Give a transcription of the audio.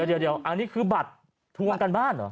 เดี๋ยวอันนี้คือบัตรทวงการบ้านเหรอ